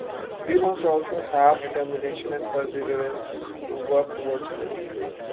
We must also have the determination and perseverance to work towards them.